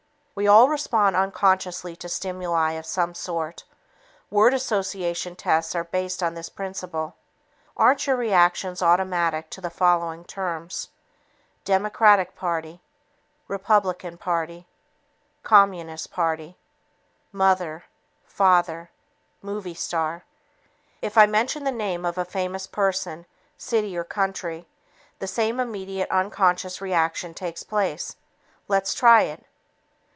We all respond unconsciously to stimuli of some sort. Word association tests are based on this principle. Aren't your reactions automatic to the following terms: democratic party, republican party, communist party, mother, father, movie star? If I mention the name of a famous person, city or country, the same immediate unconscious reaction takes place. Let's try it.